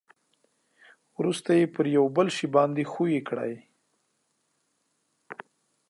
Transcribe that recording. ورسته یې پر یو بل شي باندې ښوي کړئ.